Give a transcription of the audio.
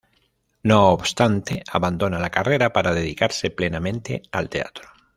No obstante, abandona la carrera para dedicarse plenamente al teatro.